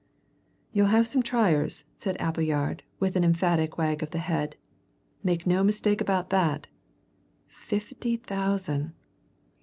"You'll have some triers," said Appleyard, with an emphatic wag of the head. "Make no mistake about that! Fifty thousand!